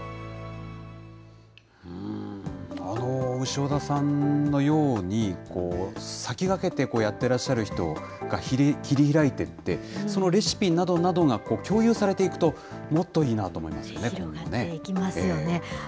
潮田さんのように、先駆けてやってらっしゃる人が切り開いていって、そのレシピなどなどが共有されていくと、もっといいなと思いますよね、今後ね。